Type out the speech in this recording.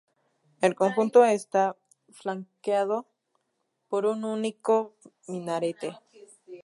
El conjunto está flanqueado por un único minarete.